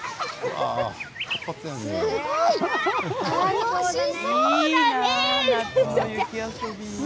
すごい、楽しそう。